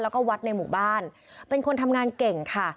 แล้วก็วัดในหมู่บ้านเป็นคนทำงานเก่งค่ะ